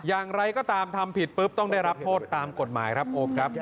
อย่างไรก็ตามทำผิดปุ๊บต้องได้รับโทษตามกฎหมายครับโอ๊คครับ